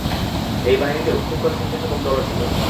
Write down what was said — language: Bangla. এই বাহিনীতে উশৃঙ্খল সেচ্ছাসেবক দলও ছিল।